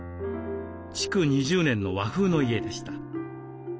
築２０年の和風の家でした。